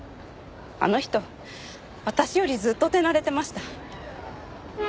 あの人私よりずっと手慣れてました。